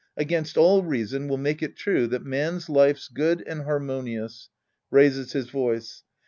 Against all reason, we'll make it true that man's life's good and harmoni ous. {Raises his voice.)